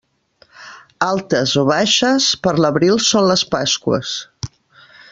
Altes o baixes, per l'abril són les Pasqües.